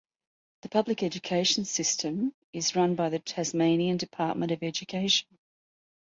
The public education system is run by the Tasmanian Department of Education.